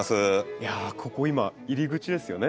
いやここ今入り口ですよね。